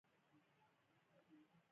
آیا درمل په داخل کې تولیدیږي؟